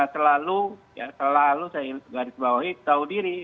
selalu selalu saya garis bawahi tahu diri